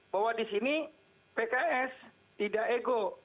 bahwa di sini pks tidak ego